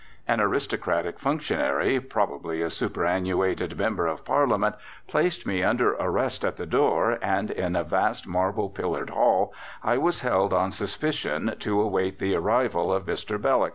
An aristocratic functionary, probably a superannuated member of Parliament, placed me under arrest at the door, and in a vast, marble pillared hall I was held on suspicion to await the arrival of Mr. Belloc.